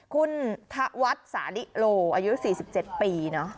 คุณทวัชษฎิโลอายุ๔๗ปี